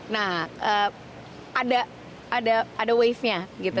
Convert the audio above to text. nah ada wavenya gitu